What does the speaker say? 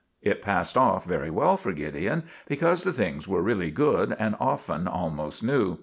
It passed off very well for Gideon, because the things were really good, and often almost new.